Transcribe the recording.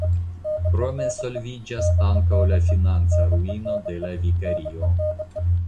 Krome solviĝas ankaŭ la financa ruino de la vikario.